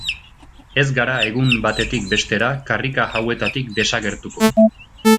Ez gara egun batetik bestera karrika hauetatik desagertuko.